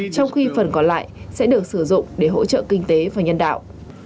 trong khi phần còn lại sẽ được sử dụng để hỗ trợ kinh tế và nhân đạo